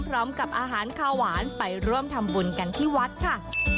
พร้อมกับอาหารข้าวหวานไปร่วมทำบุญกันที่วัดค่ะ